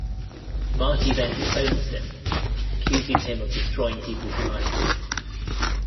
Marty then disowns him, accusing him of destroying peoples' lives.